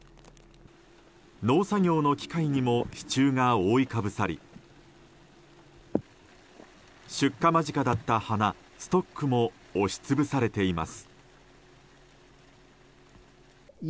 農作業の機械にも支柱が覆いかぶさり出荷間近だった花ストックも押し潰されています。